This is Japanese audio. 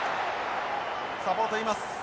サポートいます。